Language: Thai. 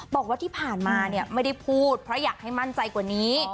บอกว่าที่ผ่านมาไม่ได้พูดเพราะอยากให้มั่นใจกว่านี้